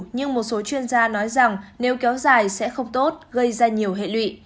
nhưng một số chuyên gia nói rằng nếu kéo dài sẽ không tốt gây ra nhiều hệ lụy